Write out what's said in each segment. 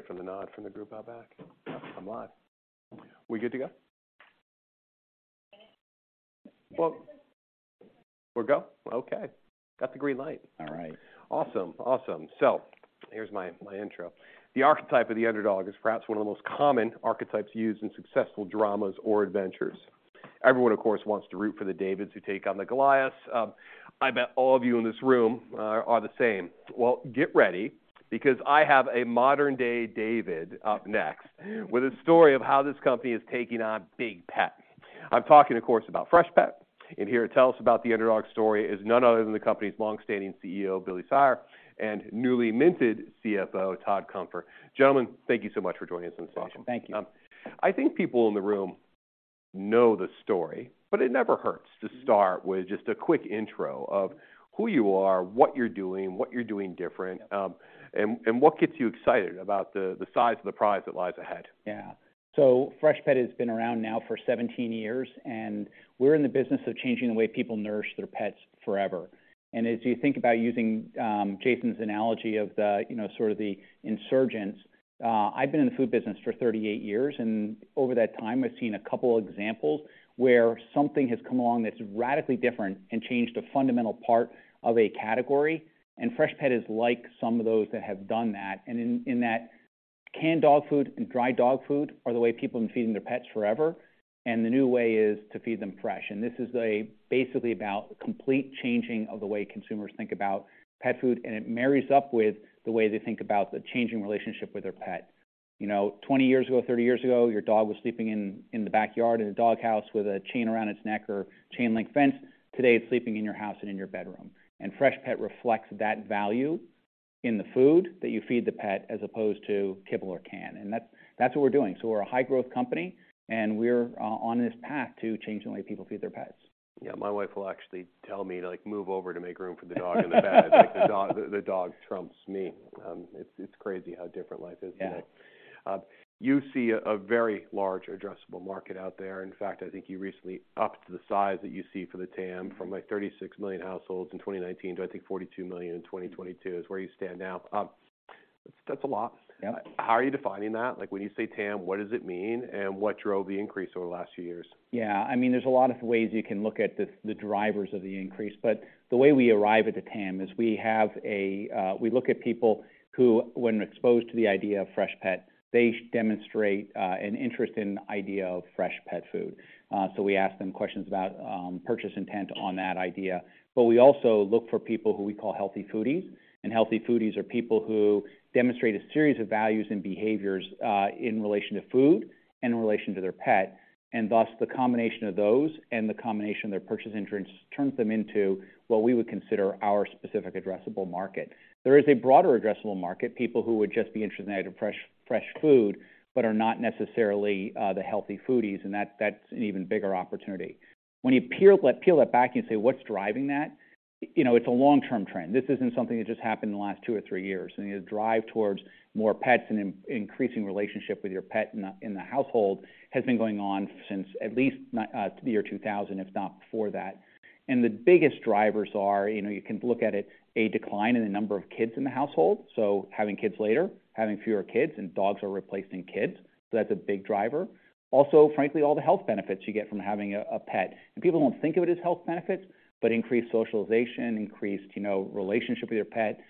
Wait, from the nod from the group out back. I'm live. We good to go? Yes. Well, we're go? Okay. Got the green light. All right. Awesome. Awesome. Here's my intro. The archetype of the underdog is perhaps one of the most common archetypes used in successful dramas or adventures. Everyone, of course, wants to root for the Davids who take on the Goliaths. I bet all of you in this room are the same. Get ready because I have a modern-day David up next with a story of how this company is taking on Big Pet. I'm talking, of course, about Freshpet, and here to tell us about the underdog story is none other than the company's long-standing CEO, Billy Cyr, and newly minted CFO, Todd Cunfer. Gentlemen, thank you so much for joining us on this call. Awesome. Thank you. I think people in the room know the story, but it never hurts to start with just a quick intro of who you are, what you're doing, what you're doing different, and what gets you excited about the size of the prize that lies ahead. Yeah. Freshpet has been around now for 17 years, and we're in the business of changing the way people nourish their pets forever. As you think about using Jason's analogy of the, you know, sort of the insurgents, I've been in the food business for 38 years, and over that time, I've seen a couple examples where something has come along that's radically different and changed a fundamental part of a category, and Freshpet is like some of those that have done that. In that canned dog food and dry dog food are the way people have been feeding their pets forever, and the new way is to feed them fresh. This is a basically about complete changing of the way consumers think about pet food, and it marries up with the way they think about the changing relationship with their pet. You know, 20 years ago, 30 years ago, your dog was sleeping in the backyard in a dog house with a chain around its neck or chain link fence. Today, it's sleeping in your house and in your bedroom, and Freshpet reflects that value in the food that you feed the pet as opposed to kibble or can. That's what we're doing. We're a high-growth company, and we're on this path to changing the way people feed their pets. Yeah. My wife will actually tell me to, like, move over to make room for the dog in the bed. Like, the dog trumps me. It's crazy how different life is today. Yeah. You see a very large addressable market out there. In fact, I think you recently upped the size that you see for the TAM from, like, 36 million households in 2019 to, I think, 42 million in 2022 is where you stand now. That's a lot. Yeah. How are you defining that? Like, when you say TAM, what does it mean, and what drove the increase over the last few years? Yeah. I mean, there's a lot of ways you can look at the drivers of the increase. The way we arrive at the TAM is we have a. We look at people who, when exposed to the idea of Freshpet, they demonstrate an interest in the idea of fresh pet food. We ask them questions about purchase intent on that idea. We also look for people who we call healthy foodies, and healthy foodies are people who demonstrate a series of values and behaviors in relation to food and in relation to their pet. The combination of those and the combination of their purchase interest turns them into what we would consider our specific addressable market. There is a broader addressable market, people who would just be interested in fresh food but are not necessarily the healthy foodies, and that's an even bigger opportunity. When you peel that back and you say, "What's driving that?" You know, it's a long-term trend. This isn't something that just happened in the last two years or three years. You know, the drive towards more pets and increasing relationship with your pet in the household has been going on since at least the year 2000, if not before that. The biggest drivers are, you know, you can look at it, a decline in the number of kids in the household, so having kids later, having fewer kids, and dogs are replacing kids, so that's a big driver. Frankly, all the health benefits you get from having a pet. People don't think of it as health benefits, but increased socialization, increased, you know, relationship with your pet.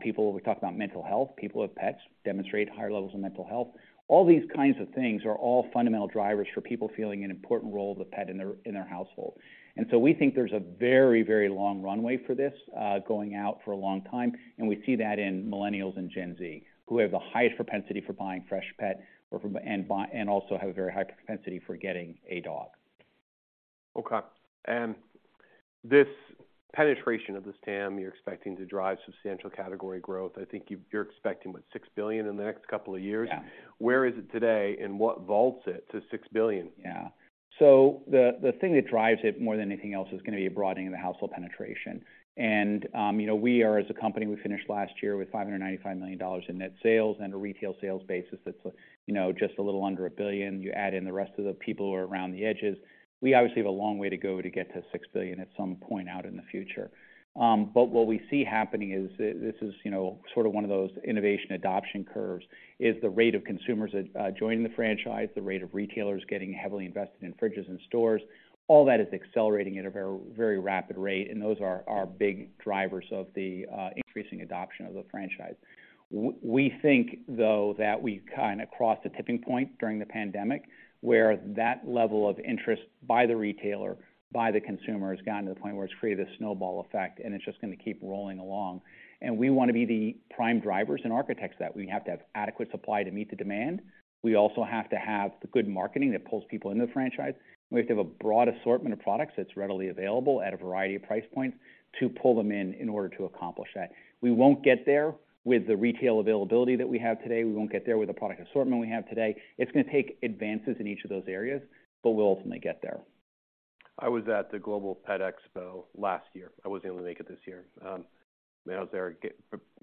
People, we talk about mental health. People with pets demonstrate higher levels of mental health. All these kinds of things are all fundamental drivers for people feeling an important role of the pet in their, in their household. We think there's a very, very long runway for this, going out for a long time, and we see that in millennials and Gen Z, who have the highest propensity for buying Freshpet and also have a very high propensity for getting a dog. Okay. This penetration of this TAM, you're expecting to drive substantial category growth. I think you're expecting, what, $6 billion in the next couple of years? Yeah. Where is it today, and what vaults it to $6 billion? The thing that drives it more than anything else is gonna be a broadening of the household penetration. You know, we are, as a company, we finished last year with $595 million in net sales and a retail sales basis that's, you know, just a little under $1 billion. You add in the rest of the people who are around the edges. We obviously have a long way to go to get to $6 billion at some point out in the future. What we see happening is this is, you know, sort of one of those innovation adoption curves, is the rate of consumers joining the franchise, the rate of retailers getting heavily invested in fridges in stores. All that is accelerating at a very, very rapid rate, and those are big drivers of the increasing adoption of the franchise. We think, though, that we've kinda crossed the tipping point during the pandemic, where that level of interest by the retailer, by the consumer, has gotten to the point where it's created a snowball effect, and it's just gonna keep rolling along. We wanna be the prime drivers and architects that we have to have adequate supply to meet the demand. We also have to have the good marketing that pulls people into the franchise. We have to have a broad assortment of products that's readily available at a variety of price points to pull them in in order to accomplish that. We won't get there with the retail availability that we have today. We won't get there with the product assortment we have today. It's gonna take advances in each of those areas, but we'll ultimately get there. I was at the Global Pet Expo last year. I wasn't able to make it this year. I was there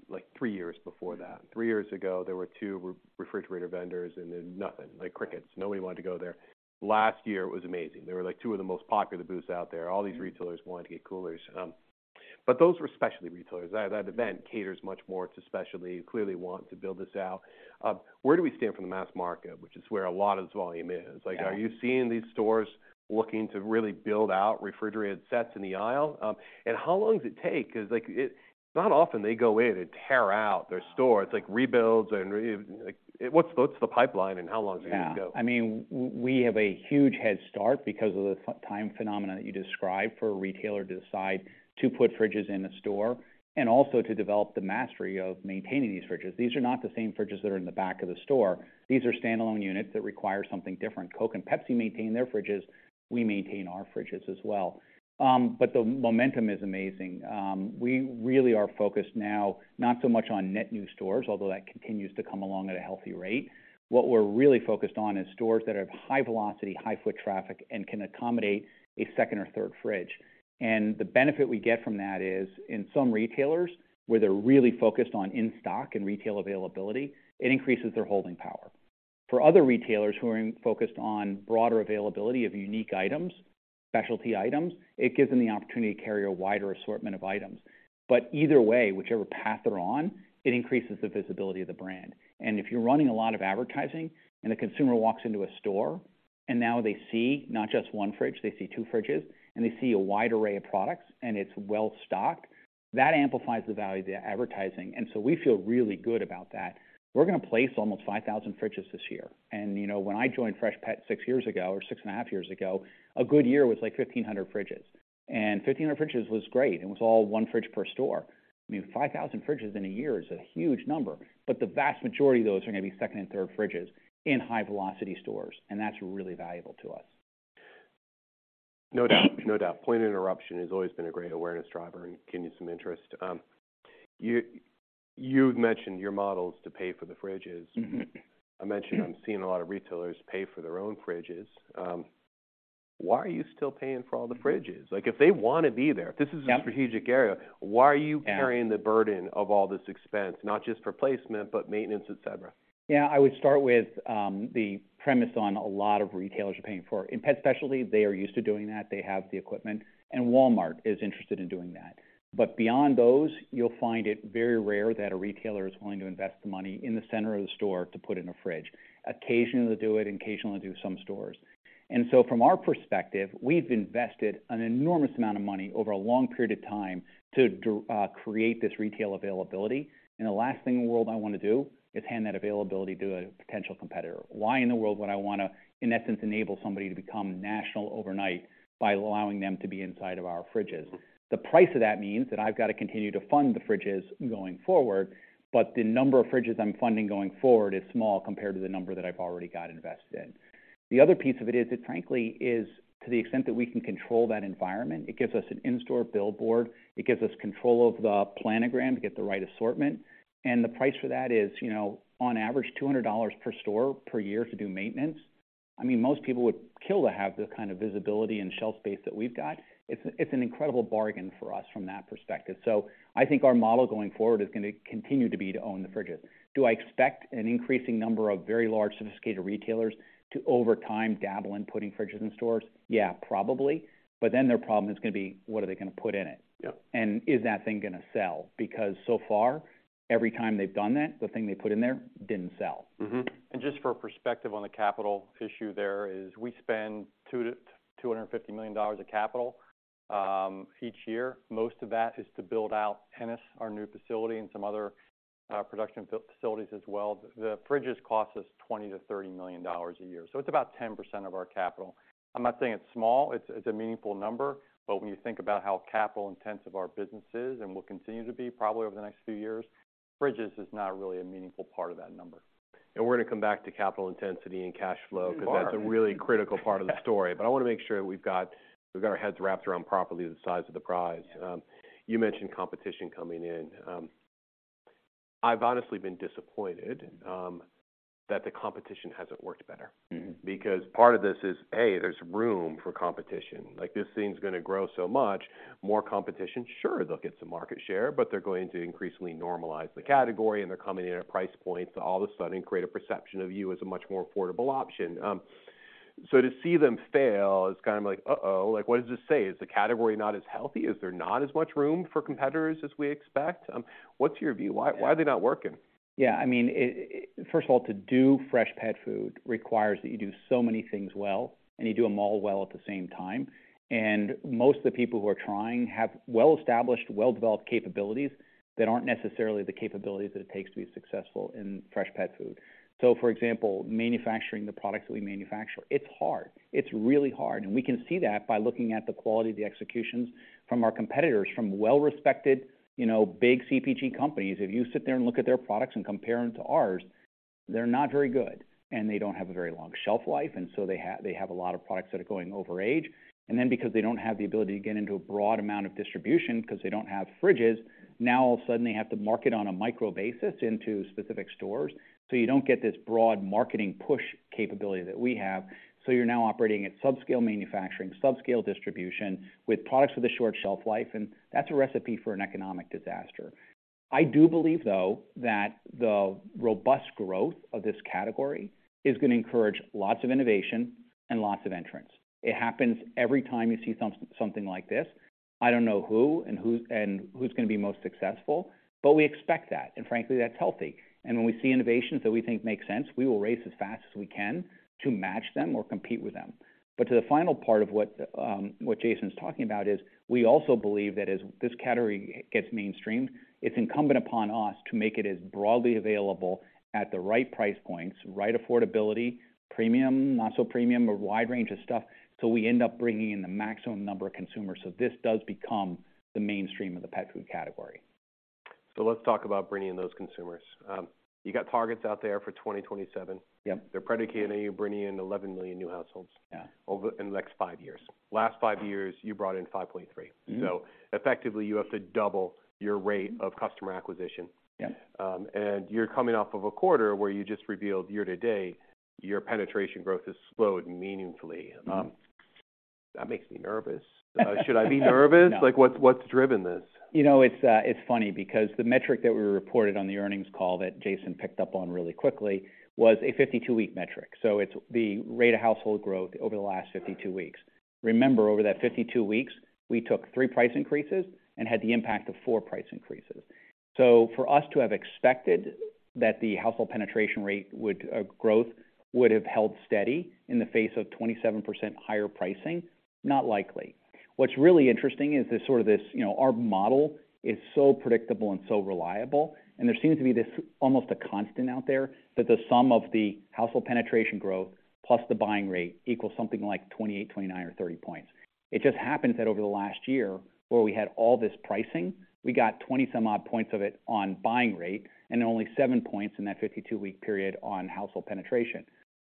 like, three years before that. Three years ago, there were two refrigerator vendors, and then nothing, like crickets. Nobody wanted to go there. Last year, it was amazing. They were, like, two of the most popular booths out there. All these retailers wanted to get coolers. Those were specialty retailers. That event caters much more to specialty, clearly want to build this out. Where do we stand from the mass market, which is where a lot of this volume is? Yeah. Like, are you seeing these stores looking to really build out refrigerated sets in the aisle? How long does it take? Because like it's not often they go in and tear out their store. No. It's like rebuilds and like what's the pipeline and how long does it gonna go? Yeah. I mean, we have a huge head start because of the time phenomena that you described for a retailer to decide to put fridges in a store, and also to develop the mastery of maintaining these fridges. These are not the same fridges that are in the back of the store. These are standalone units that require something different. Coke and Pepsi maintain their fridges, we maintain our fridges as well. The momentum is amazing. We really are focused now, not so much on net new stores, although that continues to come along at a healthy rate. What we're really focused on is stores that have high velocity, high foot traffic, and can accommodate a second or third fridge. The benefit we get from that is, in some retailers, where they're really focused on in-stock and retail availability, it increases their holding power. For other retailers who are in-focused on broader availability of unique items, specialty items, it gives them the opportunity to carry a wider assortment of items. But either way, whichever path they're on, it increases the visibility of the brand. If you're running a lot of advertising and a consumer walks into a store, and now they see not just one fridge, they see two fridges, and they see a wide array of products, and it's well stocked, that amplifies the value of the advertising. We feel really good about that. We're gonna place almost 5,000 fridges this year. You know, when I joined Freshpet six years ago or six and a half years ago, a good year was like 1,500 fridges. 1,500 fridges was great, and it was all one fridge per store. I mean, 5,000 fridges in a year is a huge number, but the vast majority of those are gonna be second and third fridges in high velocity stores, and that's really valuable to us. No doubt. No doubt. Point-of-interruption has always been a great awareness driver and can use some interest. You've mentioned your models to pay for the fridges. Mm-hmm. I mentioned I'm seeing a lot of retailers pay for their own fridges. Why are you still paying for all the fridges? Like, if they wanna be there? Yeah. -if this is a strategic area, why are you- Yeah. carrying the burden of all this expense, not just for placement, but maintenance, et cetera? Yeah. I would start with the premise on a lot of retailers are paying for... In pet specialty, they are used to doing that. They have the equipment, and Walmart is interested in doing that. Beyond those, you'll find it very rare that a retailer is willing to invest the money in the center of the store to put in a fridge. Occasionally, they'll do it, occasionally do some stores. From our perspective, we've invested an enormous amount of money over a long period of time to create this retail availability, and the last thing in the world I wanna do is hand that availability to a potential competitor. Why in the world would I wanna, in essence, enable somebody to become national overnight by allowing them to be inside of our fridges? The price of that means that I've got to continue to fund the fridges going forward, but the number of fridges I'm funding going forward is small compared to the number that I've already got invested. The other piece of it is it frankly is, to the extent that we can control that environment, it gives us an in-store billboard, it gives us control of the planogram to get the right assortment, and the price for that is, you know, on average $200 per store per year to do maintenance. I mean, most people would kill to have the kind of visibility and shelf space that we've got. It's an incredible bargain for us from that perspective. I think our model going forward is gonna continue to be to own the fridges. Do I expect an increasing number of very large sophisticated retailers to over time dabble in putting fridges in stores? Yeah, probably. Their problem is gonna be, what are they gonna put in it? Yeah. Is that thing gonna sell? Because so far, every time they've done that, the thing they put in there didn't sell. Mm-hmm. Just for perspective on the capital issue there is we spend $2 million-$250 million of capital each year. Most of that is to build out Ennis, our new facility, and some other production facilities as well. The fridges cost us $20 million-$30 million a year, it's about 10% of our capital. I'm not saying it's small, it's a meaningful number, but when you think about how capital-intensive our business is and will continue to be probably over the next few years, fridges is not really a meaningful part of that number. We're gonna come back to capital intensity and cash flow... You are. because that's a really critical part of the story. I wanna make sure we've got our heads wrapped around properly the size of the prize. You mentioned competition coming in. I've honestly been disappointed that the competition hasn't worked better. Mm-hmm. Part of this is, A, there's room for competition. Like, this thing's gonna grow so much, more competition, sure, they'll get some market share, but they're going to increasingly normalize the category, and they're coming in at price points that all of a sudden create a perception of you as a much more affordable option. So to see them fail is kind of like, uh-oh. Like, what does this say? Is the category not as healthy? Is there not as much room for competitors as we expect? What's your view? Why are they not working? Yeah. I mean, it first of all, to do fresh pet food requires that you do so many things well and you do them all well at the same time. Most of the people who are trying have well-established, well-developed capabilities that aren't necessarily the capabilities that it takes to be successful in fresh pet food. For example, manufacturing the products that we manufacture, it's hard. It's really hard. We can see that by looking at the quality of the executions from our competitors, from well-respected, you know, big CPG companies. If you sit there and look at their products and compare them to ours, they're not very good, and they don't have a very long shelf life, and they have a lot of products that are going over age. Because they don't have the ability to get into a broad amount of distribution because they don't have fridges, now all of a sudden they have to market on a micro basis into specific stores. You don't get this broad marketing push capability that we have. You're now operating at subscale manufacturing, subscale distribution with products with a short shelf life, and that's a recipe for an economic disaster. I do believe, though, that the robust growth of this category is gonna encourage lots of innovation and lots of entrants. It happens every time you see something like this. I don't know who and who's gonna be most successful, but we expect that, and frankly, that's healthy. When we see innovations that we think make sense, we will race as fast as we can to match them or compete with them. To the final part of what Jason's talking about is, we also believe that as this category gets mainstreamed, it's incumbent upon us to make it as broadly available at the right price points, right affordability, premium, not so premium, a wide range of stuff, so we end up bringing in the maximum number of consumers, so this does become the mainstream of the pet food category. Let's talk about bringing in those consumers. You got targets out there for 2027. Yep. They're predicating you bringing in 11 million new households- Yeah... over, in the next five years. Last five years, you brought in $5.3. Mm-hmm. Effectively, you have to double your rate of customer acquisition. Yep. You're coming off of a quarter where you just revealed year to date, your penetration growth has slowed meaningfully. That makes me nervous. Should I be nervous? No. Like, what's driven this? You know, it's funny, because the metric that we reported on the earnings call that Jason picked up on really quickly was a 52-week metric, so it's the rate of household growth over the last 52 weeks. Remember, over that 52 weeks, we took three price increases and had the impact of four price increases. For us to have expected that the household penetration rate would growth would have held steady in the face of 27% higher pricing, not likely. What's really interesting is this sort of this, you know, our model is so predictable and so reliable, and there seems to be this almost a constant out there, that the sum of the household penetration growth plus the buying rate equals something like 28 points, 29 points, or 30 points. It just happens that over the last year where we had all this pricing, we got 20-some odd points of it on buying rate and then only seven points in that 52-week period on household penetration.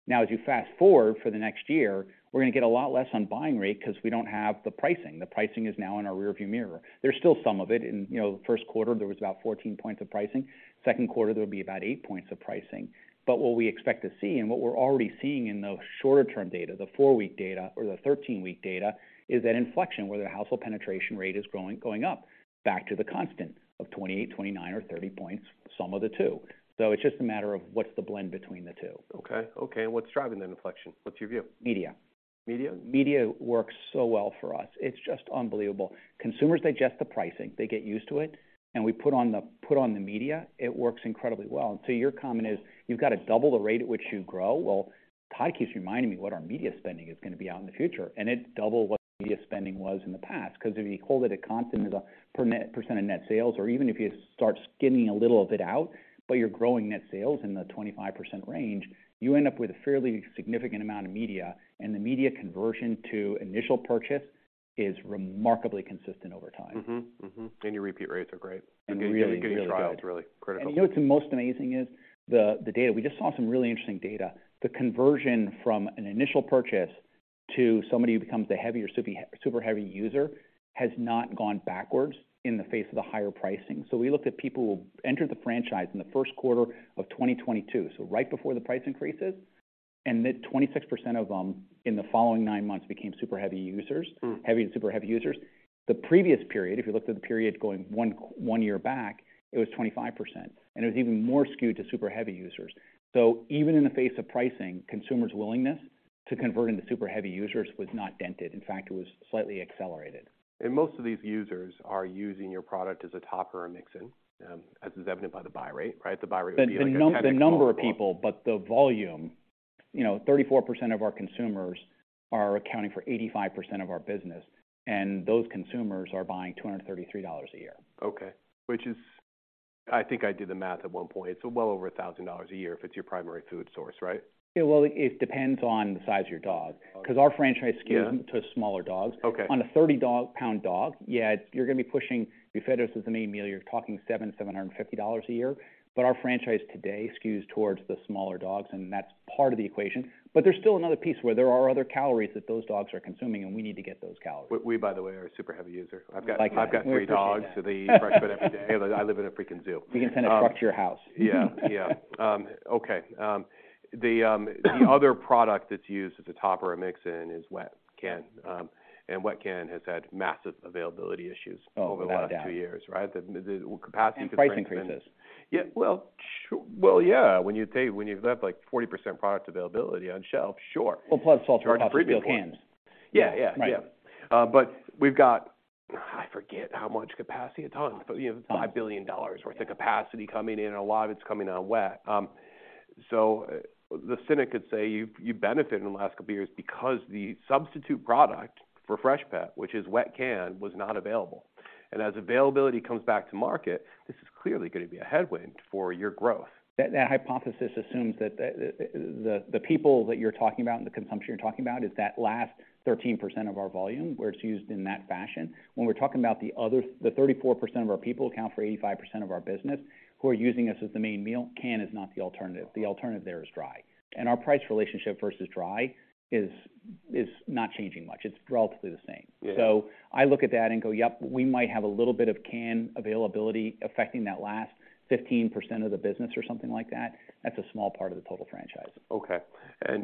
As you fast-forward for the next year, we're gonna get a lot less on buying rate because we don't have the pricing. The pricing is now in our rearview mirror. There's still some of it. In, you know, the first quarter, there was about 14 points of pricing. Second quarter, there would be about 8 points of pricing. What we expect to see and what we're already seeing in the shorter term data, the 4-week data or the 13-week data, is that inflection where the household penetration rate is growing, going up back to the constant of 28 points, 29 points, or 30 points, sum of the two. It's just a matter of what's the blend between the two. Okay. Okay, and what's driving the inflection? What's your view? Media. Media? Media works so well for us. It's just unbelievable. Consumers digest the pricing. They get used to it, and we put on the media. It works incredibly well. Your comment is, you've got to double the rate at which you grow. Ty keeps reminding me what our media spending is gonna be out in the future, and it's double what the media spending was in the past. If you hold it at constant as a percent of net sales, or even if you start skimming a little of it out, but you're growing net sales in the 25% range, you end up with a fairly significant amount of media, and the media conversion to initial purchase is remarkably consistent over time. Your repeat rates are great. Really good. Getting trials is really critical. You know what the most amazing is? The data. We just saw some really interesting data. The conversion from an initial purchase to somebody who becomes a heavy or super heavy user has not gone backwards in the face of the higher pricing. We looked at people who entered the franchise in the first quarter of 2022, right before the price increases, and 26% of them in the following nine months became super heavy users. Hmm. Heavy and super heavy users. The previous period, if you looked at the period going one year back, it was 25%, it was even more skewed to super heavy users. Even in the face of pricing, consumers' willingness to convert into super heavy users was not dented. In fact, it was slightly accelerated. Most of these users are using your product as a topper or mix-in, as is evident by the buy rate, right? The buy rate would be like a tenth of total- The number of people, but the volume, you know, 34% of our consumers are accounting for 85% of our business. Those consumers are buying $233 a year. Okay, I think I did the math at one point. It's well over $1,000 a year if it's your primary food source, right? Yeah, well, it depends on the size of your dog. Okay. Because our franchise skews. Yeah... to smaller dogs. Okay. On a 30 pound dog, yeah, you're gonna be pushing, if we fed this as the main meal, you're talking $750 a year. Our franchise today skews towards the smaller dogs, and that's part of the equation. There's still another piece where there are other calories that those dogs are consuming, and we need to get those calories. We, by the way, are a super heavy user. I like that. I've got three dogs. We appreciate that.... They eat Freshpet every day. I live in a freaking zoo. We can send a truck to your house. Yeah, yeah. Okay. The other product that's used as a topper or mix-in is wet can. Wet can has had massive availability issues. Oh, without a doubt.... over the last two years, right? The capacity Price increases. Yeah. Well, yeah. When you take, when you've got like 40% product availability on shelf, sure. Well, plus all the refrigerated cans. Yeah, yeah. Right. We've got, I forget how much capacity a ton, but you have $5 billion worth of capacity coming in, and a lot of it's coming on wet. The cynic could say you benefited in the last couple of years because the substitute product for Freshpet, which is wet can, was not available. As availability comes back to market, this is clearly gonna be a headwind for your growth. That hypothesis assumes that the people that you're talking about and the consumption you're talking about is that last 13% of our volume where it's used in that fashion. When we're talking about the other, the 34% of our people account for 85% of our business who are using us as the main meal, can is not the alternative. The alternative there is dry. Our price relationship versus dry is not changing much. It's relatively the same. Yeah. I look at that and go, "Yep, we might have a little bit of can availability affecting that last. 15% of the business or something like that. That's a small part of the total franchise. Okay.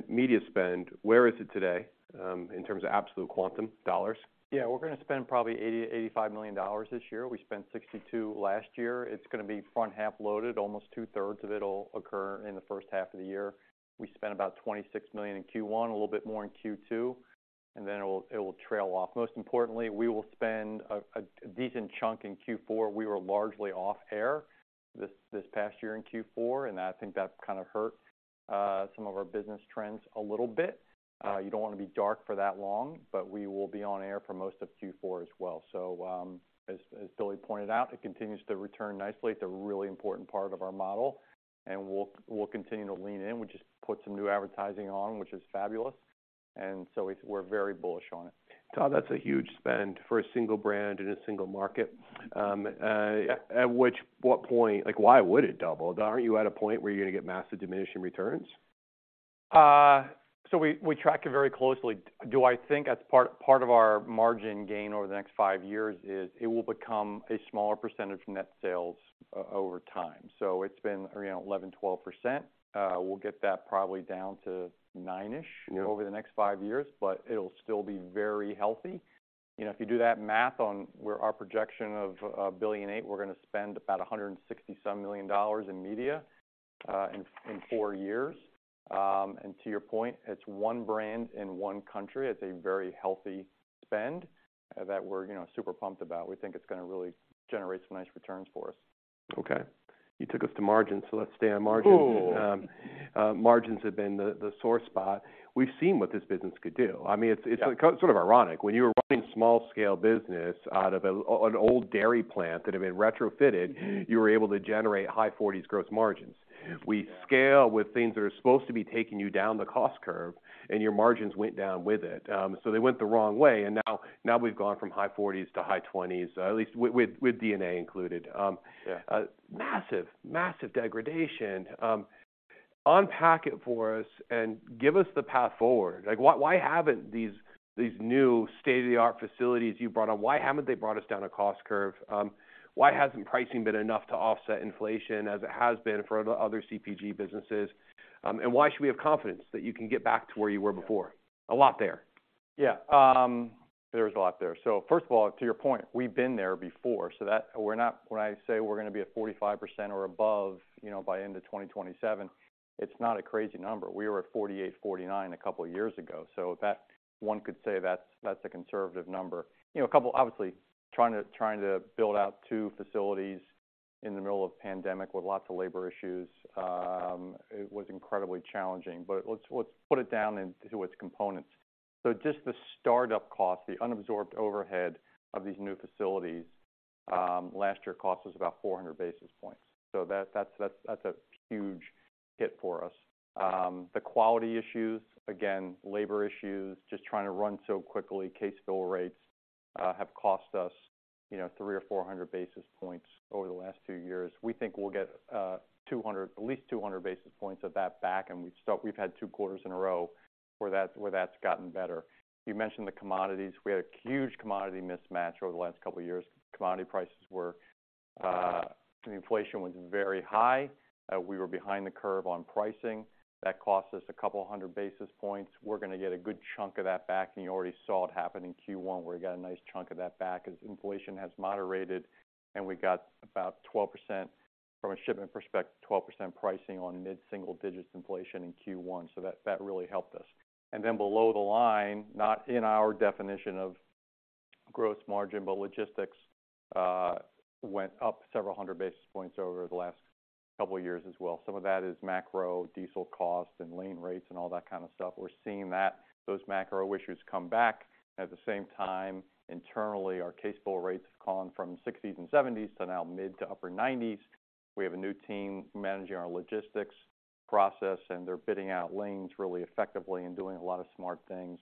media spend, where is it today, in terms of absolute quantum dollars? Yeah, we're gonna spend probably $80 million-$85 million this year. We spent $62 last year. It's gonna be front half loaded. Almost two-thirds of it'll occur in the first half of the year. We spent about $26 million in Q1, a little bit more in Q2, and then it will trail off. Most importantly, we will spend a decent chunk in Q4. We were largely off air this past year in Q4, and I think that kind of hurt some of our business trends a little bit. You don't wanna be dark for that long, but we will be on air for most of Q4 as well. As Billy pointed out, it continues to return nicely. It's a really important part of our model, and we'll continue to lean in. We just put some new advertising on, which is fabulous, and so we're very bullish on it. Todd, that's a huge spend for a single brand in a single market. Like, why would it double? Aren't you at a point where you're gonna get massive diminishing returns? We, we track it very closely. Do I think that's part of our margin gain over the next five years is it will become a smaller percentage net sales over time. It's been, you know, 11%, 12%. We'll get that probably down to 9-ish. Yeah... over the next five years, but it'll still be very healthy. You know, if you do that math on where our projection of $1.8 billion, we're gonna spend about $160 million in media, in 4 years. To your point, it's one brand in one country. It's a very healthy spend that we're, you know, super pumped about. We think it's gonna really generate some nice returns for us. Okay. You took us to margins, so let's stay on margins. Ooh. Margins have been the sore spot. We've seen what this business could do. I mean. Yeah it's sort of ironic. When you were running small-scale business out of an old dairy plant that had been retrofitted, you were able to generate high forties gross margins. Yeah. We scale with things that are supposed to be taking you down the cost curve. Your margins went down with it. They went the wrong way. Now we've gone from high 40s to high 20s, at least with D&A included. Yeah... massive degradation. Unpack it for us and give us the path forward. Like, why haven't these new state-of-the-art facilities you brought on, why haven't they brought us down a cost curve? Why hasn't pricing been enough to offset inflation as it has been for other CPG businesses? Why should we have confidence that you can get back to where you were before? A lot there. There's a lot there. First of all, to your point, we've been there before, when I say we're gonna be at 45% or above, you know, by end of 2027, it's not a crazy number. We were at 48, 49 a couple of years ago, one could say that's a conservative number. You know, obviously, trying to build out two facilities in the middle of pandemic with lots of labor issues, it was incredibly challenging. Let's put it down into its components. Just the startup cost, the unabsorbed overhead of these new facilities, last year cost us about 400 basis points. That's a huge hit for us. The quality issues, again, labor issues, just trying to run so quickly, case fill rates, have cost us, you know, 300 basis points or 400 basis points over the last two years. We think we'll get at least 200 basis points of that back, and we've had two quarters in a row where that's gotten better. You mentioned the commodities. We had a huge commodity mismatch over the last couple of years. Commodity prices were, the inflation was very high. We were behind the curve on pricing. That cost us a couple of 100 basis points. We're gonna get a good chunk of that back. You already saw it happen in Q1, where we got a nice chunk of that back as inflation has moderated, and we got about 12%, from a shipment perspective, 12% pricing on mid-single digits inflation in Q1. That really helped us. Below the line, not in our definition of gross margin, but logistics went up several hundred basis points over the last couple of years as well. Some of that is macro diesel cost and lane rates and all that kind of stuff. We're seeing those macro issues come back. At the same time, internally, our case fill rates have gone from 60s and 70s to now mid to upper 90s. We have a new team managing our logistics process, and they're bidding out lanes really effectively and doing a lot of smart things.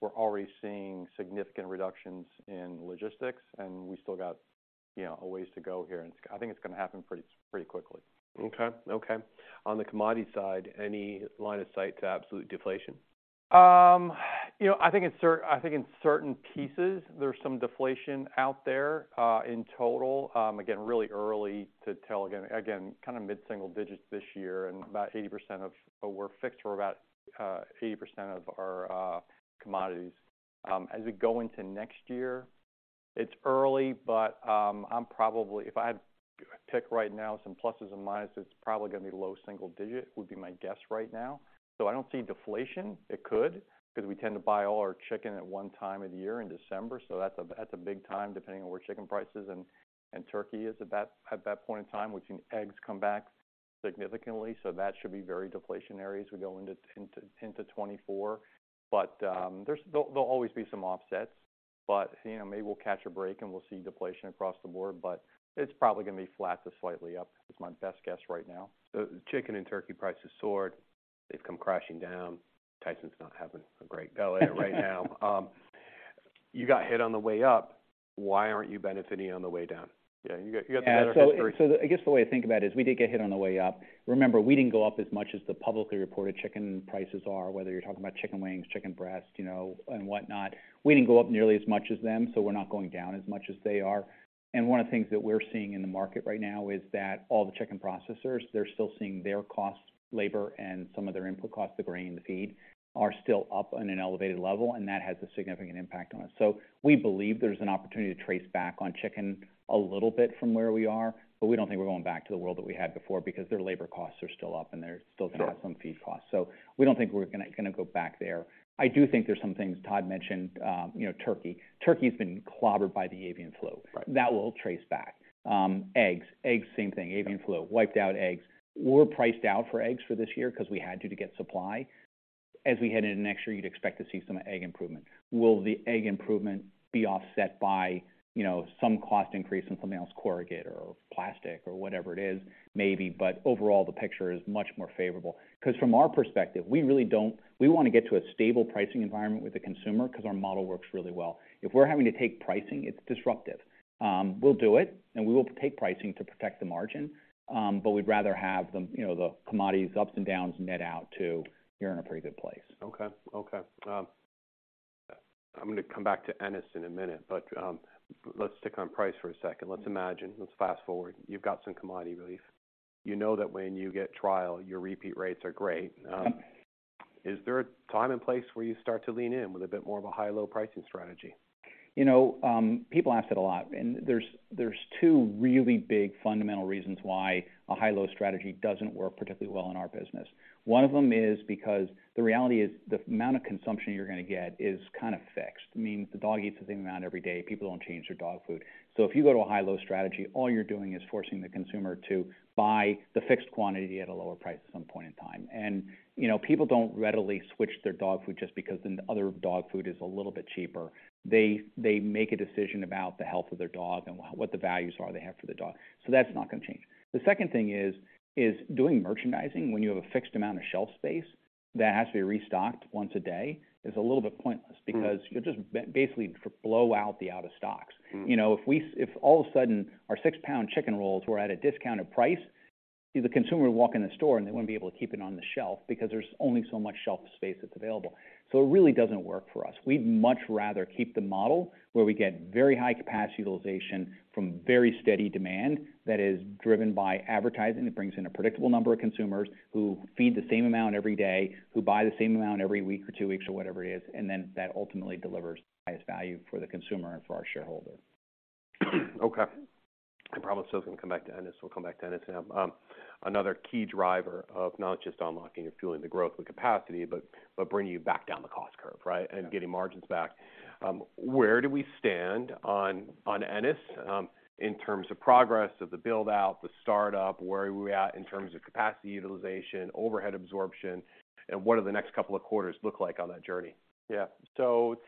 We're already seeing significant reductions in logistics, and we still got, you know, a ways to go here, and I think it's gonna happen pretty quickly. Okay. On the commodity side, any line of sight to absolute deflation? you know, I think in certain pieces, there's some deflation out there in total. again, really early to tell. Kinda mid-single digits this year and we're fixed for about 80% of our commodities. as we go into next year, it's early, but If I had to pick right now some pluses and minus, it's probably gonna be low single digit, would be my guess right now. I don't see deflation. It could, because we tend to buy all our chicken at one time of the year in December. That's a, that's a big time, depending on where chicken prices and turkey is at that, at that point in time. We've seen eggs come back significantly. That should be very deflationary as we go into 2024. There'll always be some offsets. You know, maybe we'll catch a break, and we'll see deflation across the board, but it's probably gonna be flat to slightly up is my best guess right now. Chicken and turkey prices soared. They've come crashing down. Tyson's not having a great belly right now. You got hit on the way up. Why aren't you benefiting on the way down? Yeah, you got some better history. Yeah. I guess the way to think about it is we did get hit on the way up. Remember, we didn't go up as much as the publicly reported chicken prices are, whether you're talking about chicken wings, chicken breast, you know, and whatnot. We didn't go up nearly as much as them, so we're not going down as much as they are. One of the things that we're seeing in the market right now is that all the chicken processors, they're still seeing their costs, labor and some of their input costs, the grain and the feed, are still up on an elevated level, and that has a significant impact on us. We believe there's an opportunity to trace back on chicken a little bit from where we are, but we don't think we're going back to the world that we had before because their labor costs are still up, and they're still gonna have some feed costs. We don't think we're gonna go back there. I do think there's some things Todd mentioned, you know, turkey. Turkey has been clobbered by the avian flu. Right. That will trace back. Eggs, same thing. avian flu wiped out eggs. We're priced out for eggs for this year because we had to get supply. We head into next year, you'd expect to see some egg improvement. Will the egg improvement be offset by, you know, some cost increase in something else, corrugate or plastic or whatever it is? Maybe. Overall, the picture is much more favorable. Because from our perspective, We wanna get to a stable pricing environment with the consumer because our model works really well. If we're having to take pricing, it's disruptive. We'll do it, and we will take pricing to protect the margin, but we'd rather have the, you know, the commodities ups and downs net out to, you're in a pretty good place. Okay. I'm gonna come back to Ennis in a minute, but let's stick on price for a second. Let's imagine, let's fast-forward, you've got some commodity relief. You know that when you get trial, your repeat rates are great. Is there a time and place where you start to lean in with a bit more of a high-low pricing strategy? You know, people ask that a lot, there's two really big fundamental reasons why a high-low strategy doesn't work particularly well in our business. One of them is because the reality is the amount of consumption you're gonna get is kind of fixed. I mean, the dog eats the same amount every day. People don't change their dog food. If you go to a high-low strategy, all you're doing is forcing the consumer to buy the fixed quantity at a lower price at some point in time. You know, people don't readily switch their dog food just because the other dog food is a little bit cheaper. They make a decision about the health of their dog and what the values are they have for the dog. That's not gonna change. The second thing is doing merchandising when you have a fixed amount of shelf space that has to be restocked once a day is a little bit pointless because you'll just basically blow out the out-of-stocks. Mm-hmm. You know, if all of a sudden our six-pound chicken rolls were at a discounted price, the consumer would walk in the store, and they wouldn't be able to keep it on the shelf because there's only so much shelf space that's available. It really doesn't work for us. We'd much rather keep the model where we get very high capacity utilization from very steady demand that is driven by advertising that brings in a predictable number of consumers who feed the same amount every day, who buy the same amount every week or two weeks or whatever it is. That ultimately delivers the highest value for the consumer and for our shareholders. Okay. I promise I was gonna come back to Ennis. We'll come back to Ennis now. Another key driver of not just unlocking or fueling the growth with capacity, but bringing you back down the cost curve, right? Yeah. Getting margins back. Where do we stand on Ennis, in terms of progress of the build-out, the start-up, where are we at in terms of capacity utilization, overhead absorption, and what do the next couple of quarters look like on that journey?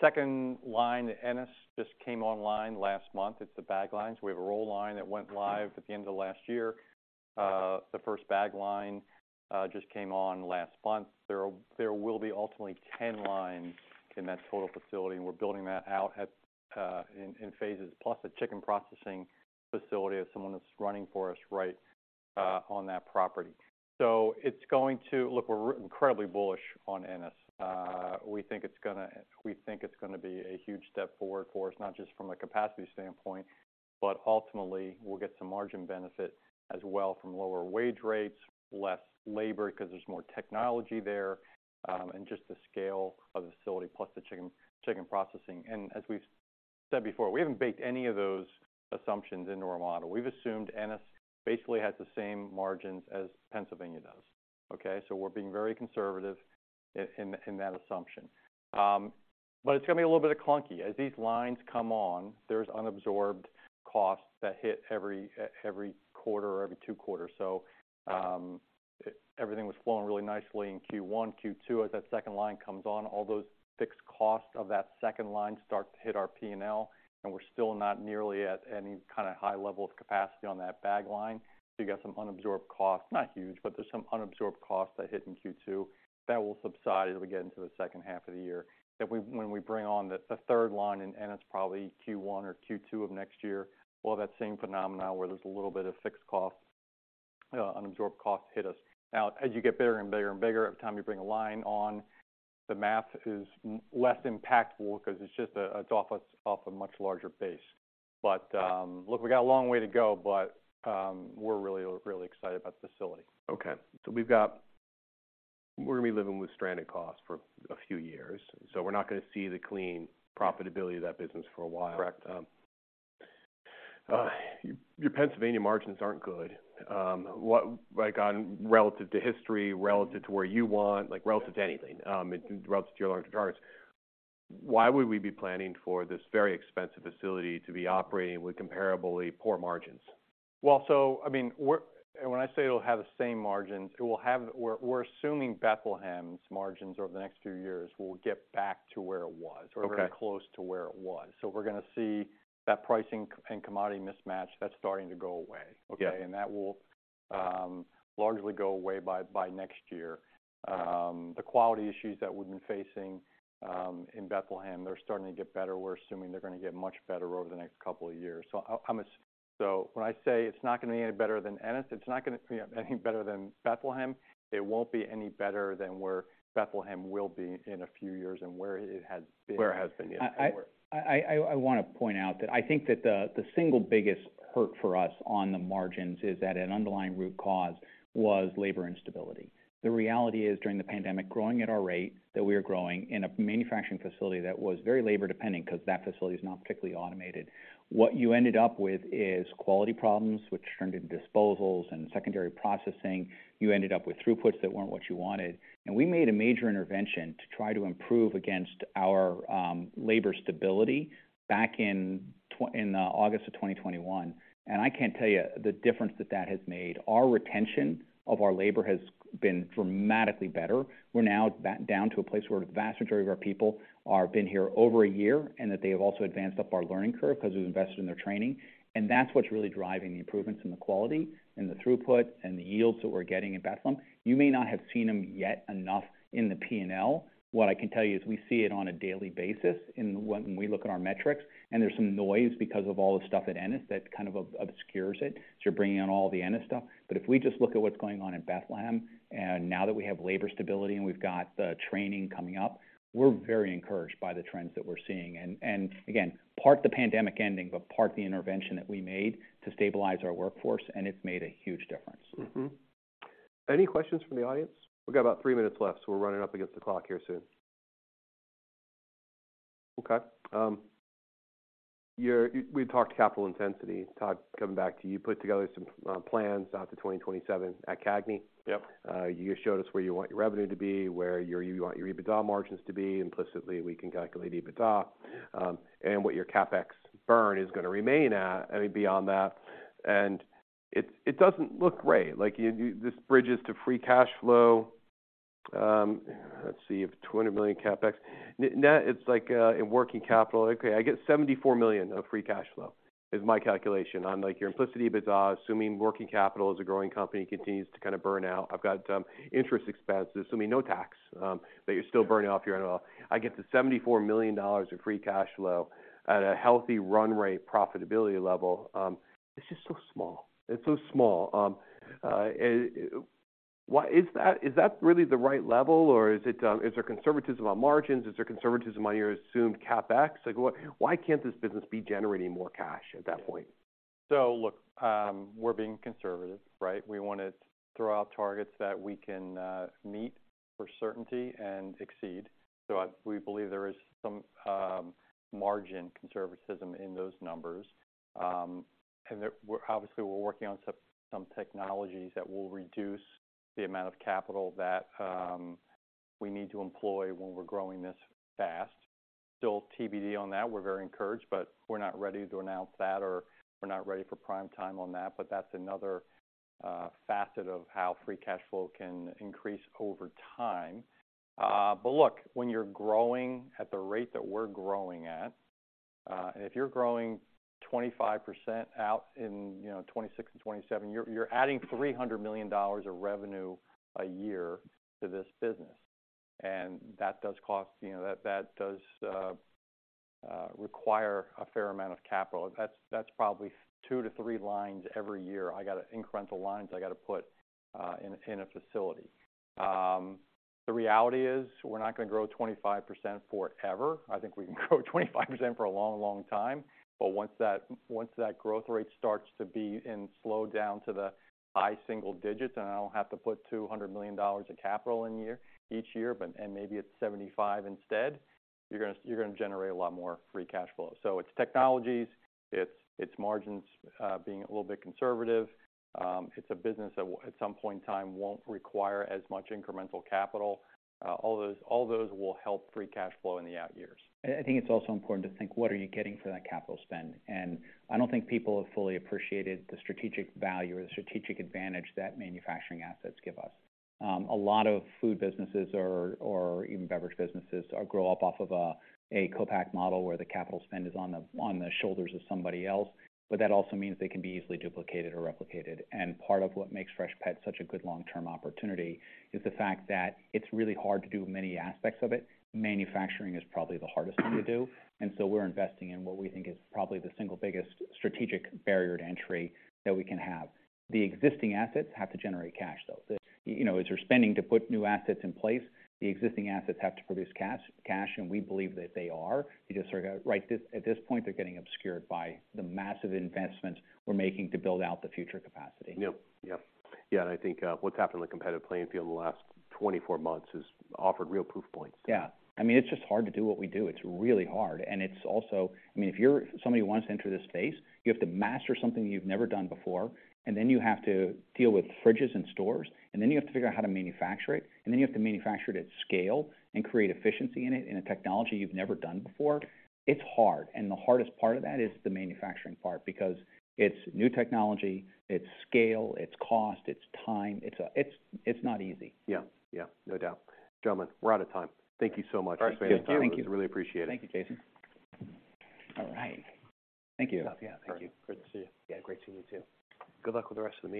Second line at Ennis just came online last month. It's the bag lines. We have a roll line that went live at the end of last year. The first bag line just came on last month. There will be ultimately 10 lines in that total facility, and we're building that out in phases, plus a chicken processing facility of someone that's running for us right on that property. Look, we're incredibly bullish on Ennis. We think it's gonna be a huge step forward for us, not just from a capacity standpoint, but ultimately, we'll get some margin benefit as well from lower wage rates, less labor because there's more technology there, and just the scale of the facility, plus the chicken processing. As we've said before, we haven't baked any of those assumptions into our model. We've assumed Ennis basically has the same margins as Pennsylvania does, okay? We're being very conservative in that assumption. It's gonna be a little bit clunky. As these lines come on, there's unabsorbed costs that hit every 2 quarters. Everything was flowing really nicely in Q1, Q2. As that second line comes on, all those fixed costs of that second line start to hit our P&L, and we're still not nearly at any kinda high level of capacity on that bag line. You got some unabsorbed costs, not huge, but there's some unabsorbed costs that hit in Q2. That will subside as we get into the second half of the year. When we bring on the third line in, and it's probably Q1 or Q2 of next year, we'll have that same phenomena where there's a little bit of fixed costs, unabsorbed costs hit us. As you get bigger and bigger and bigger, every time you bring a line on, the math is less impactful because it's just, it's off a much larger base. Look, we got a long way to go, but we're really, really excited about the facility. We're gonna be living with stranded costs for a few years. We're not gonna see the clean profitability of that business for a while. Correct. Your Pennsylvania margins aren't good. Like on relative to history, relative to where you want, like relative to anything, relative to your larger targets. Why would we be planning for this very expensive facility to be operating with comparably poor margins? I mean, when I say it'll have the same margins, we're assuming Bethlehem's margins over the next few years will get back to where it was. Okay. -or very close to where it was. We're gonna see that pricing and commodity mismatch that's starting to go away. Yeah. Okay? That will Largely go away by next year. The quality issues that we've been facing in Bethlehem, they're starting to get better. We're assuming they're gonna get much better over the next 2 years. I'm assuming when I say it's not gonna be any better than Ennis, it's not gonna be any better than Bethlehem, it won't be any better than where Bethlehem will be in a few years and where it has been. I wanna point out that I think that the single biggest hurt for us on the margins is that an underlying root cause was labor instability. The reality is, during the pandemic, growing at our rate, that we are growing in a manufacturing facility that was very labor dependent because that facility is not particularly automated, what you ended up with is quality problems, which turned into disposals and secondary processing. You ended up with throughputs that weren't what you wanted. We made a major intervention to try to improve against our labor stability back in August of 2021. I can't tell you the difference that that has made. Our retention of our labor has been dramatically better. We're now back down to a place where the vast majority of our people are been here over a year, and that they have also advanced up our learning curve because we've invested in their training. That's what's really driving the improvements in the quality and the throughput and the yields that we're getting in Bethlehem. You may not have seen them yet enough in the P&L. What I can tell you is we see it on a daily basis in when we look at our metrics, and there's some noise because of all the stuff at Ennis that kind of obscures it, so you're bringing in all the Ennis stuff. If we just look at what's going on in Bethlehem, and now that we have labor stability and we've got the training coming up, we're very encouraged by the trends that we're seeing. Again, part the pandemic ending, but part the intervention that we made to stabilize our workforce, and it's made a huge difference. Any questions from the audience? We've got about three minutes left, so we're running up against the clock here soon. Okay. We've talked capital intensity. Todd, coming back to you. Put together some plans out to 2027 at CAGNY. Yep. You showed us where you want your revenue to be, where you want your EBITDA margins to be. Implicitly, we can calculate EBITDA, and what your CapEx burn is gonna remain at, I mean, beyond that. It doesn't look great. Like this bridges to free cash flow. Let's see, if $20 million CapEx. Net, it's like, in working capital. Okay, I get $74 million of free cash flow is my calculation on, like, your implicit EBITDA, assuming working capital as a growing company continues to kind of burn out. I've got interest expenses, assuming no tax, but you're still burning off your NOL. I get to $74 million of free cash flow at a healthy run rate profitability level. It's just so small. It's so small. Is that really the right level or is it, is there conservatism on margins? Is there conservatism on your assumed CapEx? Like why can't this business be generating more cash at that point? Look, we're being conservative, right? We wanna throw out targets that we can meet for certainty and exceed. We believe there is some margin conservatism in those numbers. We're obviously we're working on some technologies that will reduce the amount of capital that we need to employ when we're growing this fast. Still TBD on that. We're very encouraged, but we're not ready to announce that or we're not ready for prime time on that. That's another facet of how free cash flow can increase over time. Look, when you're growing at the rate that we're growing at, and if you're growing 25% out in, you know, 2026 and 2027, you're adding $300 million of revenue a year to this business. That does cost, you know, that does require a fair amount of capital. That's, that's probably 2 lines-3 lines every year. I got an incremental lines I gotta put in a facility. The reality is we're not gonna grow 25% forever. I think we can grow 25% for a long, long time. Once that, once that growth rate starts to be in slow down to the high single digits, I don't have to put $200 million of capital in year, each year, and maybe it's $75 million instead, you're gonna generate a lot more free cash flow. It's technologies, it's margins, being a little bit conservative. It's a business that will at some point in time won't require as much incremental capital. All those, all those will help free cash flow in the out years. I think it's also important to think what are you getting for that capital spend? I don't think people have fully appreciated the strategic value or the strategic advantage that manufacturing assets give us. A lot of food businesses or even beverage businesses grow up off of a co-pack model where the capital spend is on the shoulders of somebody else, but that also means they can be easily duplicated or replicated. Part of what makes Freshpet such a good long-term opportunity is the fact that it's really hard to do many aspects of it. Manufacturing is probably the hardest thing to do, and so we're investing in what we think is probably the single biggest strategic barrier to entry that we can have. The existing assets have to generate cash, though. you know, as you're spending to put new assets in place, the existing assets have to produce cash, and we believe that they are. You just sort of right at this point, they're getting obscured by the massive investments we're making to build out the future capacity. Yep. Yeah, I think, what's happened in the competitive playing field in the last 24 months has offered real proof points. Yeah. I mean, it's just hard to do what we do. It's really hard. Also, I mean, if you're somebody who wants to enter this space, you have to master something you've never done before, and then you have to deal with fridges and stores, and then you have to figure out how to manufacture it, and then you have to manufacture it at scale and create efficiency in it, in a technology you've never done before. It's hard, and the hardest part of that is the manufacturing part because it's new technology, it's scale, it's cost, it's time. It's, it's not easy. Yeah. Yeah, no doubt. Gentlemen, we're out of time. Thank you so much for spending time with us. Thank you. We really appreciate it. Thank you, Jason. All right. Thank you. Yeah, thank you. Great to see you. Great to see you too. Good luck with the rest of the day